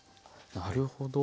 なるほど。